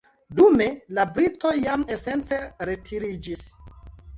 Dume, la britoj jam esence retiriĝis.